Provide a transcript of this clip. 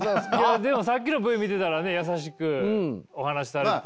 でもさっきのＶ見てたらね優しくお話しされてたりとか。